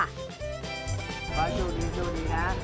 ขอชู้ดีนะ